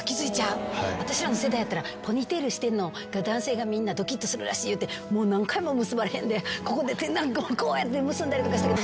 私らの世代やったらポニーテールしてんの男性みんなドキッとするらしいいうてもう何回も結ばれへんでこうやって結んだりしたけど。